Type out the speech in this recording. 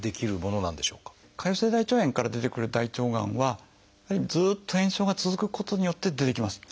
潰瘍性大腸炎から出てくる大腸がんはずっと炎症が続くことによって出てきます。